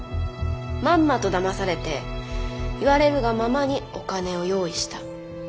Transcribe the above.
まんまとだまされて言われるがままにお金を用意した。